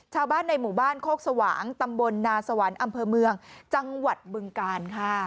ชาวบ้านในหมู่บ้านโคกสว่างตำบลนาสวรรค์อำเภอเมืองจังหวัดบึงกาลค่ะ